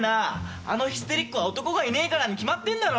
あのヒステリックは男がいねえからに決まってんだろう。